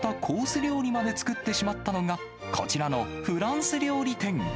料理まで作ってしまったのが、こちらのフランス料理店。